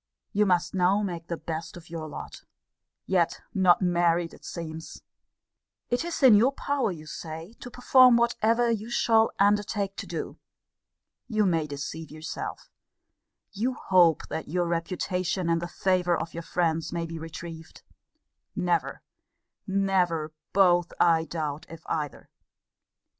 You must now make the best of your lot. Yet not married, it seems! It is in your power, you say, to perform whatever you shall undertake to do. You may deceive yourself: you hope that your reputation and the favour of your friends may be retrieved. Never, never, both, I doubt, if either.